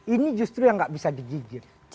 ini justru yang nggak bisa digigit